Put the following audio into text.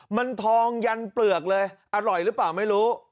มันทองยันเปลือกเลยอร่อยหรือเปล่าไม่รู้